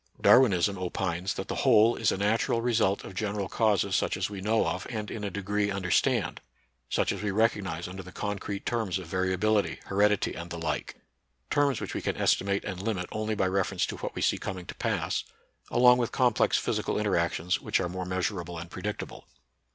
Darwinism opines that the whole is a natural result of general causes such as we know of and in a degree understand, such as we recognize under the concrete terms of va riability, heredity, and the like, — terms which we can estimate and limit only by reference to what we see coming to pass, — along with com plex physical interactions which are more meas urable and predictable.